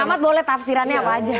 mohon maaf boleh tafsirannya apa aja